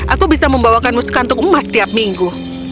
aku bisa membawakanmu sekantuk emas setiap minggu